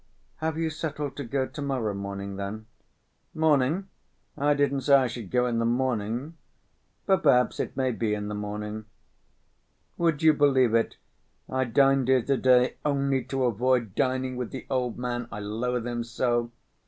"Have you settled to go to‐morrow morning, then?" "Morning? I didn't say I should go in the morning.... But perhaps it may be the morning. Would you believe it, I dined here to‐day only to avoid dining with the old man, I loathe him so.